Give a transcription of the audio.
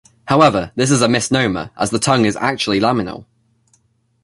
However, this is a misnomer, as the tongue is actually laminal.